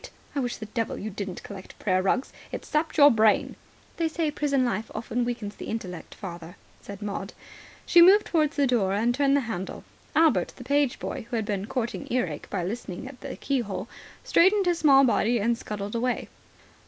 I wish the devil you didn't collect prayer rugs. It's sapped your brain." "They say prison life often weakens the intellect, father," said Maud. She moved towards the door and turned the handle. Albert, the page boy, who had been courting earache by listening at the keyhole, straightened his small body and scuttled away.